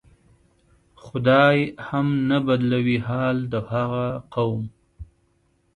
خدای هم نه بدلوي حال د هغه قوم